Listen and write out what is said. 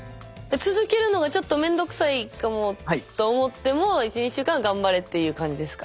続けるのがちょっと面倒くさいかもと思っても１２週間は頑張れっていう感じですか。